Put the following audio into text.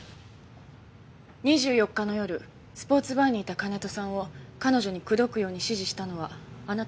２４日の夜スポーツバーにいた金戸さんを彼女に口説くように指示したのはあなたですね？